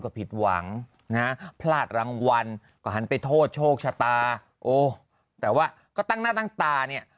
ก็ผิดหวังนะพลาดรางวัลก็หันไปโทษโชคชะตาโอ้แต่ว่าก็ตั้งหน้าตั้งตาเนี่ย